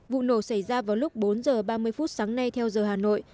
vụ nổ xảy ra vào lúc bốn giờ ba mươi phút sáng nay theo giờ hà nội